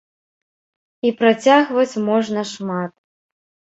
І працягваць можна шмат.